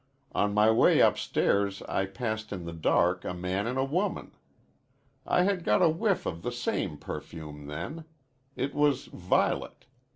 On my way upstairs I passed in the dark a man and a woman. I had got a whiff of the same perfume then. It was violet.